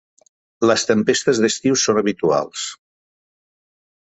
Les tempestes d'estiu són habituals.